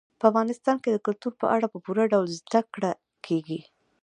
په افغانستان کې د کلتور په اړه په پوره ډول زده کړه کېږي.